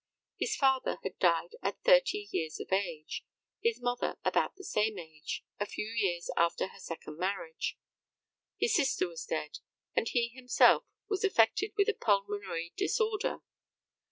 His father had died at thirty years of age, his mother about the same age, a few years after her second marriage; his sister was dead; and he himself was affected with a pulmonary disorder.